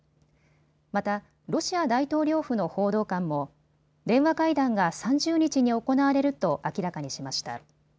また、ロシア大統領府の報道官も電話会談が３０日に行われると明らかにしました。